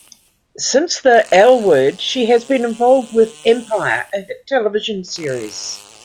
Since the "L Word," she has been involved with "Empire," a hit television series.